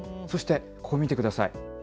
そして、ここ見てください。